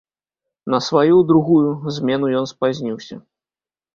На сваю, другую, змену ён спазніўся.